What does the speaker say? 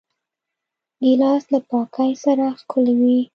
ګیلاس له پاکۍ سره ښکلی وي.